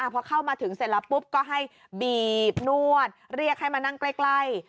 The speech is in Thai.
พอเข้ามาถึงเสร็จแล้วปุ๊บก็ให้บีบนวดเรียกให้มานั่งใกล้